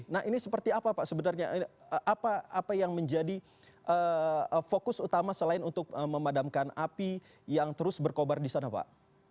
nah ini seperti apa pak sebenarnya apa yang menjadi fokus utama selain untuk memadamkan api yang terus berkobar di sana pak